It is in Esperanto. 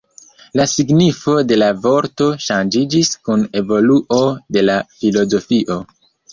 La signifo de la vorto ŝanĝiĝis kun evoluo de la filozofio.